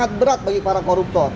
dan setelah itu